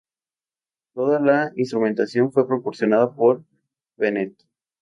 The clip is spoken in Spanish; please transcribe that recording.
Toda la instrumentación fue proporcionada por Bennett.